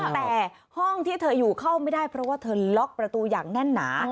แต่ห้องที่เธออยู่เข้าไม่ได้เพราะว่าเธอล็อกประตูอย่างแน่นหนา